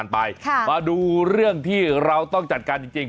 มาดูเรื่องที่เราต้องจัดการจริง